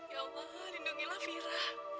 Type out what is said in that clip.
ya allah lindungilah fira